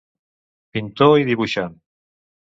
Pintor i dibuixant.